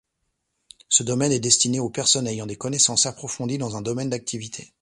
Ce domaine est destiné aux personnes ayant des connaissances approfondies dans un domaine d'activité.